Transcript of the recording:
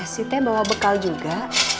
eh si teh bawa bekal juga